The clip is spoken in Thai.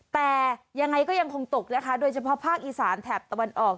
แต่ยังไงก็ยังคงตกนะคะโดยเฉพาะภาคอีสานแถบตะวันออก